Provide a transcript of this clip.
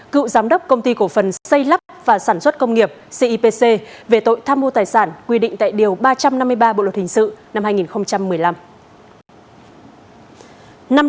cựu giám đốc công ty cổ phần xây lắp và sản xuất công nghiệp cipc về tội tham mô tài sản quy định tại điều ba trăm năm mươi ba bộ luật hình sự năm hai nghìn một mươi năm